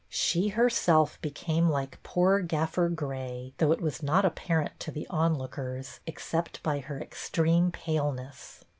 She herself became like poor Gaffer Grey, though it was not apparent to the onlookers except by her extreme paleness.